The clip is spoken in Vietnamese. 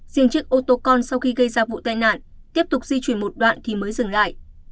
riêng chiếc ô tô con sau khi gây ra vụ tai nạn tiếp tục di chuyển một đoạn thì mới dừng lại